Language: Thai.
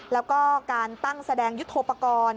แล้วก็การตั้งแสดงยุทธโปรกรณ์